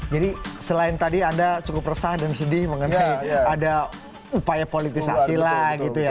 jadi selain tadi anda cukup resah dan sedih mengenai ada upaya politisasi lah gitu ya